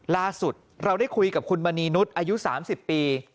ล่าสุดเราได้คุยกับคุณมณีนุษย์อายุ๓๐ปี